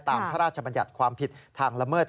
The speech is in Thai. พระราชบัญญัติความผิดทางละเมิด